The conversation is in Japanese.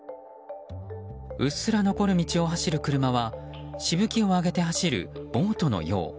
うっすら残る道を走る車はしぶきを上げて走るボートのよう。